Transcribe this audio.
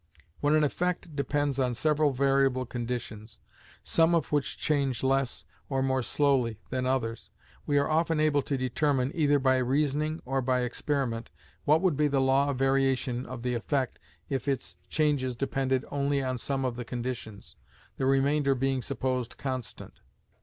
When an effect depends on several variable conditions, some of which change less, or more slowly, than others, we are often able to determine, either by reasoning or by experiment, what would be the law of variation of the effect if its changes depended only on some of the conditions, the remainder being supposed constant.